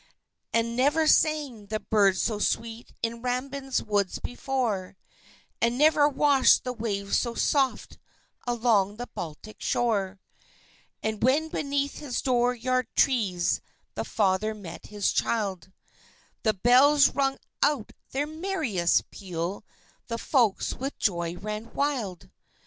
And never sang the birds so sweet in Rambin's woods before, And never washed the waves so soft along the Baltic shore; And when beneath his door yard trees the father met his child, The bells rung out their merriest peal, the folks with joy ran wild.